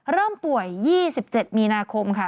เริ่มป่วย๒๗มีนาคมค่ะ